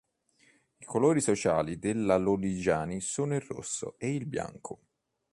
I colori sociali della Lodigiani sono il rosso e il bianco.